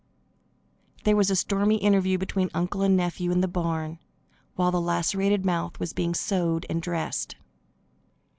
There was a stormy interview between uncle and nephew in the barn, while the lacerated mouth was being sewed and dressed.